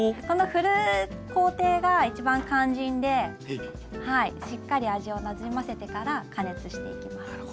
この振る工程が一番肝心でしっかり味をなじませてから加熱していきます。